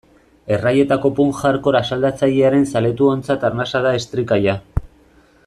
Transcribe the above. Erraietako punk-hardcore asaldatzailearen zaletuontzat arnasa da Estricalla.